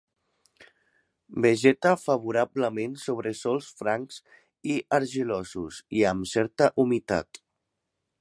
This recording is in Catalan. Vegeta favorablement sobre sòls francs i argilosos, i amb certa humitat.